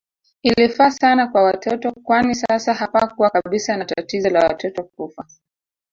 Ilifaa sana kwa watoto kwani sasa hapakuwa kabisa na tatizo la watoto kufa